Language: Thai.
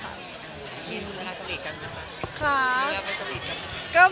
มีท่านสวีทกันเหรอคะ